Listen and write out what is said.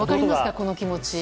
この気持ち。